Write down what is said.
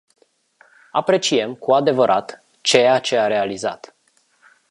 Apreciem, cu adevărat, ceea ce a realizat.